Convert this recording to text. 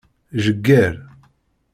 Jegger.